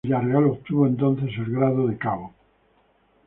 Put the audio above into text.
Villarreal obtuvo entonces el grado de coronel.